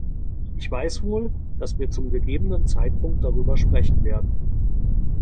Ich weiß wohl, dass wir zum gegebenen Zeitpunkt darüber sprechen werden.